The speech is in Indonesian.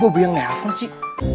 bougie yang neasnya sih